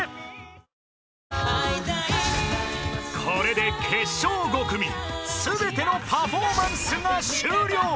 ［これで決勝５組全てのパフォーマンスが終了］